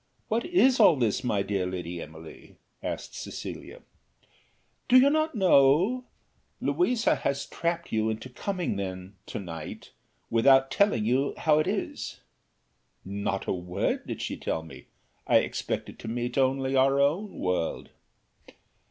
What is all this, my dear Lady Emily?" asked Cecilia. "Do not you know? Louisa has trapped you into coming then, to night without telling you how it is?" "Not a word did she tell me, I expected to meet only our own world."